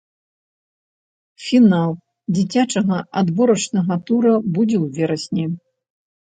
Фінал дзіцячага адборачнага тура будзе у верасні.